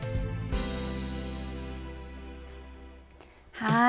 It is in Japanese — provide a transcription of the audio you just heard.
はい！